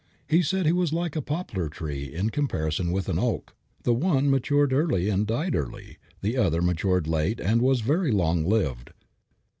He said he was like a poplar tree in comparison with an oak; the one matured early and died early; the other matured late and was very long lived.